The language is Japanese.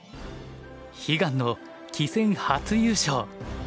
悲願の棋戦初優勝。